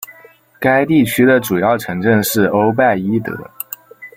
该地区的主要城镇是欧拜伊德。